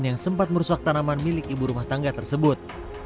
yang sempat merusak tanaman milik ibu rumah tangga tersebut